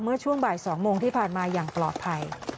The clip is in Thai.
เมื่อช่วงบ่าย๒โมงที่ผ่านมาอย่างปลอดภัย